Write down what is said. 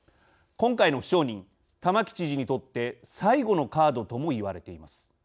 今回の不承認、玉城知事にとって最後のカードともいわれています。